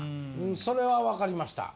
それは分かりました。